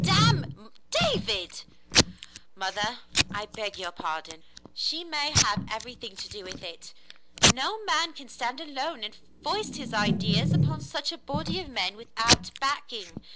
'^ Damme —" "David!" "Mother — I beg your pardon —" "She may have everything to do with it. No man can stand alone and foist his ideas upon such a body of men, without backing.